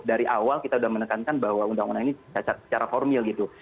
dari awal kita sudah menekankan bahwa undang undang ini cacat secara formil gitu